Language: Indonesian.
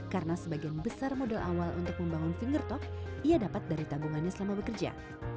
karena sebagian besar modal awal untuk membangun fingertop ia dapat dari tambungannya selama bekerja